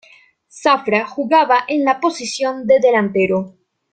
Zafra jugaba en la posición de delantero.